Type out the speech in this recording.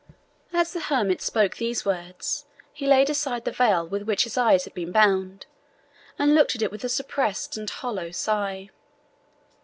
As the hermit spoke these words, he laid aside the veil with which his eyes had been bound, and looked at it with a suppressed and hollow sigh.